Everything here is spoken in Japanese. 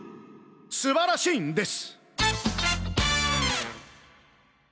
すばらしいんです！